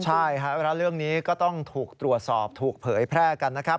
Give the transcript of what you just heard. ใช่ครับแล้วเรื่องนี้ก็ต้องถูกตรวจสอบถูกเผยแพร่กันนะครับ